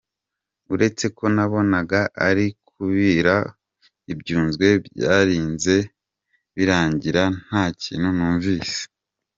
Uretse ko nabonaga arimo kubira ibyunzwe byarinze birangira nta kintu numvise.